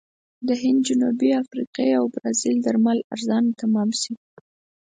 د هند، جنوبي افریقې او برازیل درمل ارزانه تمام شي.